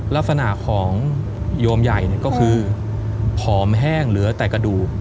ลักษณะของโยมใหญ่ก็คือผอมแห้งเหลือแต่กระดูก